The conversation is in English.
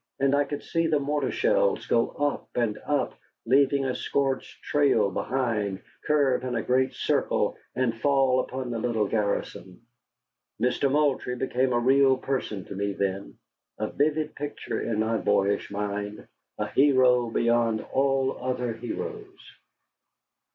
And I could see the mortar shells go up and up, leaving a scorched trail behind, curve in a great circle, and fall upon the little garrison. Mister Moultrie became a real person to me then, a vivid picture in my boyish mind a hero beyond all other heroes.